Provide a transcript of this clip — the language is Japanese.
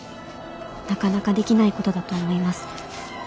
なかなかできないことだと思います。